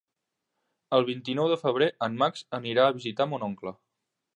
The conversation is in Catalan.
El vint-i-nou de febrer en Max anirà a visitar mon oncle.